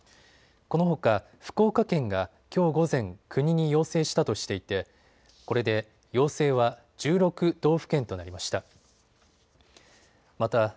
このほか福岡県がきょう午前、国に要請したとしていてこれで要請は１６道府県となりました。